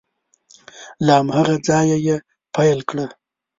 له هماغه ځایه یې پیل کړه